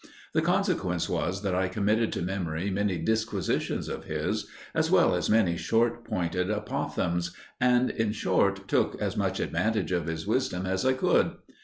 The consequence was that I committed to memory many disquisitions of his, as well as many short pointed apophthegms, and, in short, took as much advantage of his wisdom as I could.